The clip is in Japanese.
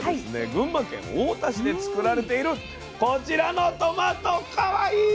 群馬県太田市で作られているこちらのトマトかわいい！